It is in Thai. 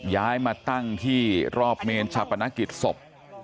ย้ายมาตั้งที่รอบเมนชาปนกิจศพ